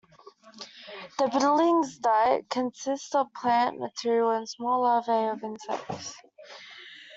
The bitterling's diet consists of plant material and small larvae of insects.